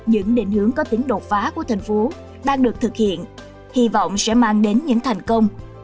những định hướng có tính đột phá của thành phố đang được thực hiện hy vọng sẽ mang đến những thành công